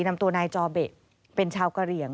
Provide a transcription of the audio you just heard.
นำตัวนายจอเบะเป็นชาวกะเหลี่ยง